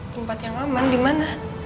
tempat yang aman dimana